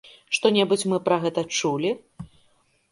Што-небудзь мы пра гэта чулі?